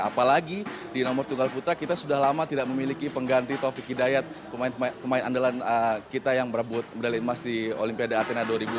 apalagi di nomor tunggal putra kita sudah lama tidak memiliki pengganti taufik hidayat pemain pemain andalan kita yang berabot medali emas di olimpiade